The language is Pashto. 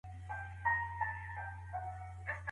ایا ځايي کروندګر وچه مېوه صادروي؟